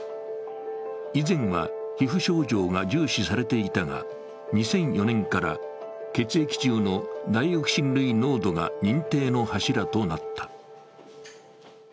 以前は皮膚症状が重視されていたが、２００４年から血液中のダイオキシン類の濃度が認定の柱となった。